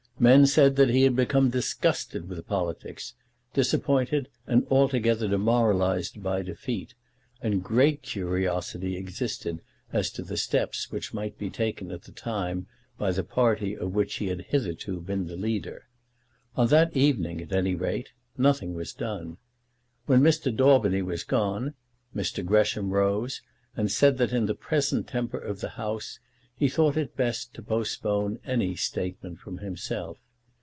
Men said that he had become disgusted with politics, disappointed, and altogether demoralized by defeat, and great curiosity existed as to the steps which might be taken at the time by the party of which he had hitherto been the leader. On that evening, at any rate, nothing was done. When Mr. Daubeny was gone, Mr. Gresham rose and said that in the present temper of the House he thought it best to postpone any statement from himself.